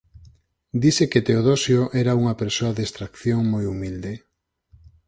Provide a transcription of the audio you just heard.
Dise que Teodosio era unha persoa de extracción moi humilde.